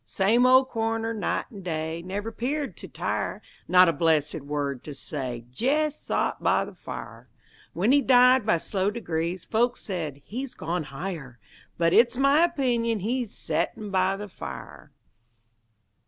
Same ol' corner night an' day Never 'peared to tire; Not a blessed word to say! Jest sot by the fire. When he died, by slow degrees, Folks said: "He's gone higher;" But it's my opinion he's Settin' by the fire.